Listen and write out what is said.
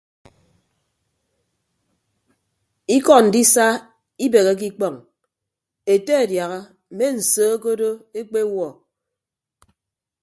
Ikọ ndisa ibeheke ikpọñ ete adiaha mme nsoo ke odo ekpewuọ.